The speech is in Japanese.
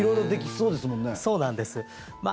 そうなんです。